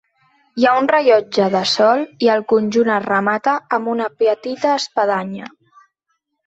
Hi ha un rellotge de sol i el conjunt es remata amb una petita espadanya.